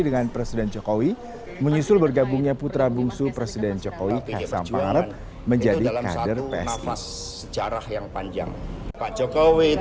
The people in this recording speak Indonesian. dengan presiden jokowi menyusul bergabungnya putra bungsu presiden jokowi